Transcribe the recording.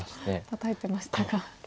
たたいてましたが。